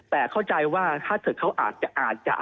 แต่เข้าใจว่าถ้าเกิดเขาอาจจะ